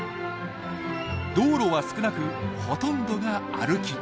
道路は少なくほとんどが歩き。